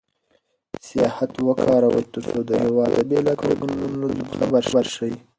سیاحت وکاروئ ترڅو د هېواد د بېلابېلو قومونو له دودونو خبر شئ.